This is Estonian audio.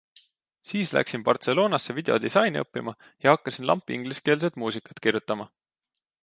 Siis läksin Barcelonasse videodisaini õppima ja hakkasin lampi ingliskeelset muusikat kirjutama.